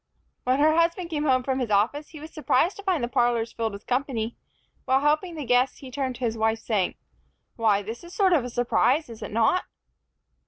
When her husband came home from his office, he was surprised to find the parlors filled with company. While helping the guests, he turned to his wife, saying, "Why, this is a sort of surprise, is it not?"